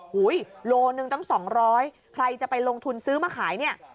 หูยโล๑๒๐๐ใครจะไปลงทุนซื้อมาขายเนี่ย